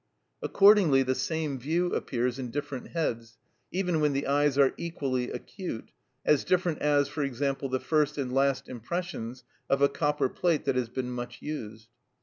Accordingly the same view appears in different heads, even when the eyes are equally acute, as different as, for example, the first and last impressions of a copper plate that has been much used.